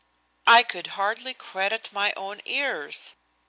I could hardly credit my own ears.